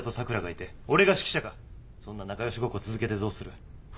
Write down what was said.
そんな仲よしごっこ続けてどうする？